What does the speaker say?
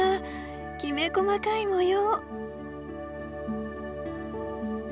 きめ細かい模様！